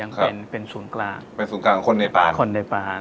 ยังเป็นเป็นส่วนกลางเป็นส่วนกลางของคนเนปานคนเนปาน